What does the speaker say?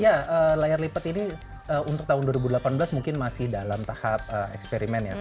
ya layar lipat ini untuk tahun dua ribu delapan belas mungkin masih dalam tahap eksperimen ya